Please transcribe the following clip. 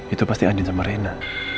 itu pasti adil sama rena